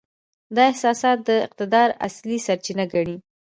دا احساسات د اقتدار اصلي سرچینه ګڼي.